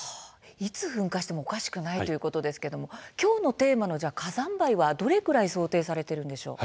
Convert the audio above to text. いつ噴火しても、おかしくないということですけれどもきょうのテーマの火山灰はどれくらい想定されているんでしょうか。